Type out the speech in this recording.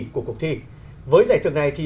của cuộc thi với giải thưởng này thì